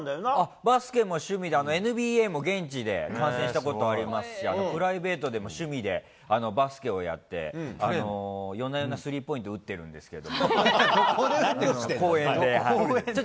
バスケも趣味で、ＮＢＡも現地で観戦したことありますし、プライベートでも趣味で、バスケをやって、夜な夜なスリーポイント打ってるんですけど。